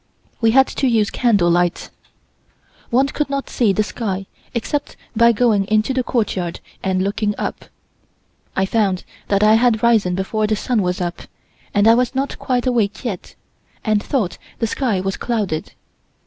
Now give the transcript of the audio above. We had to use candle light. One could not see the sky except by going into the courtyard and looking up. I found that I had risen before the sun was up, and I was not quite awake yet, and thought the sky was clouded.